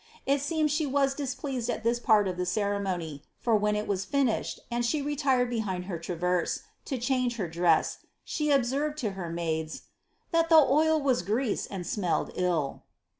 * It seems she was displeased at this part of the ceremony, for when it wa* finished, and she retired behind her traverse, to clianp her dress, she observed to her maids, ^ that the oil was grease and ■melledill."'